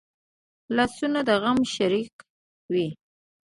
لاسونه د غم شریک وي